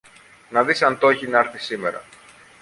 να δεις αν το ’χει να έρθει σήμερα